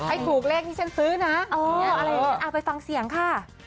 ไอ้ถูกเลขนี่ฉันซื้อนะเอาไปฟังเสียงค่ะ